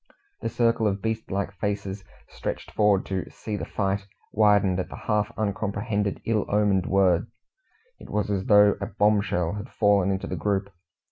The circle of beast like faces, stretched forward to "see the fight," widened at the half uncomprehended, ill omened word. It was as though a bombshell had fallen into the group.